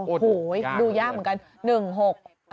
โอ้โฮโยยยยากเหมือนกัน